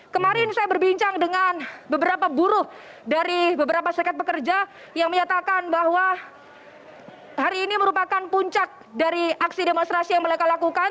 kemarin saya berbincang dengan beberapa buruh dari beberapa serikat pekerja yang menyatakan bahwa hari ini merupakan puncak dari aksi demonstrasi yang mereka lakukan